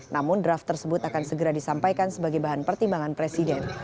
namun draft tersebut akan segera disampaikan sebagai bahan pertimbangan presiden